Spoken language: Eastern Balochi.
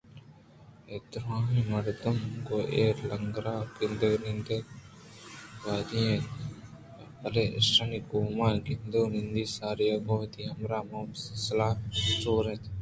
اے دُرٛاہیں مردم گوں ایر لینگر ءَ گند ءُ نندءَ وداری اِت اَنت بلئے ایشانی گوما گند ونندءَساری آگوں وتی ہمراہ مومس ءَ سلاہ ءُ شورءَاَت